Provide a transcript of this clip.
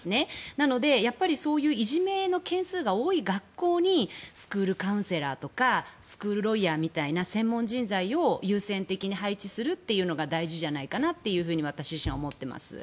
なので、そういういじめの件数が多い学校にスクールカウンセラーとかスクールロイヤーみたいな専門人材を優先的に配置するのが大事じゃないかなと私自身は思っています。